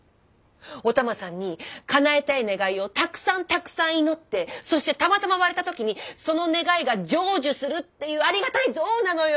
お玉さんにかなえたい願いをたくさんたくさん祈ってそしてたまたま割れた時にその願いが成就するっていうありがたい像なのよ。